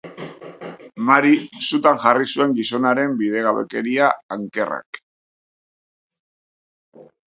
Mary sutan jarri zuen gizonaren bidegabekeria ankerrak.